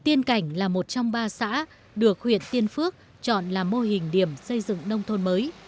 tiên cảnh là một trong ba xã được huyện tiên phước chọn làm mô hình điểm xây dựng nông thôn mới